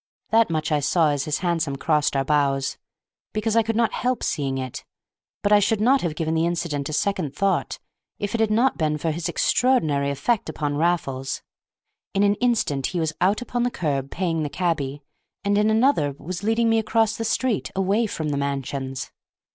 That much I saw as his hansom crossed our bows, because I could not help seeing it, but I should not have given the incident a second thought if it had not been for his extraordinary effect upon Raffles. In an instant he was out upon the curb, paying the cabby, and in another he was leading me across the street, away from the mansions.